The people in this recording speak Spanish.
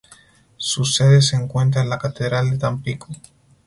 Su sede se encuentra en la Catedral de Tampico.